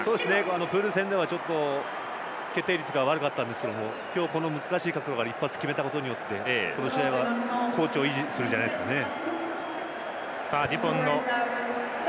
プール戦ではちょっと決定率が悪かったんですが今日、難しい角度から一発決めたことによってこの試合は好調を維持するんじゃないですかね。